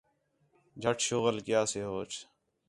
جَھٹ شغل کَیا سے ہوچ